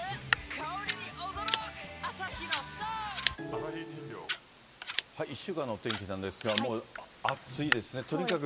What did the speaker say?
香りに驚くアサヒの「颯」１週間のお天気なんですが、もう暑いですね、とにかく。